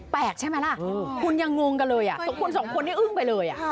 แปลกใช่ไหมล่ะคุณยังงงกันเลยสองคนสองคนนี้อึ้งไปเลย